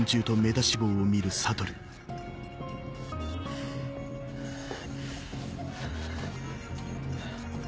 ハァハァ。